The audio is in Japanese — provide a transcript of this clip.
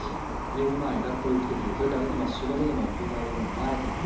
寝る前学校行く時それから今仕事でも舞台の前とか。